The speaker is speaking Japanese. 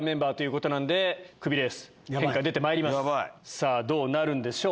さぁどうなるんでしょうか？